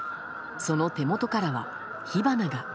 その手元からは火花が。